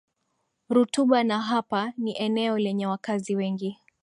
Rutuba na hapa ni eneo lenye wakazi wengi